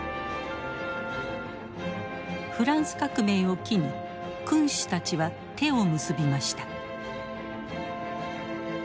フランス革命を機に君主たちは手を結びました。